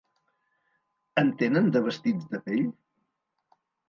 En tenen, de vestits de pell?